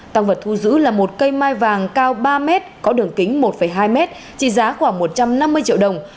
tăng vật thu giữ là một cây mai vàng cao ba m có đường kính một hai m trị giá khoảng một trăm năm mươi triệu đồng